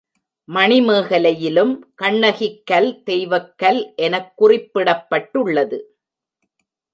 மணிமேகலையிலும் கண்ணகிக் கல் தெய்வக் கல் எனக் குறிப்பிடப்பட்டுள்ளது.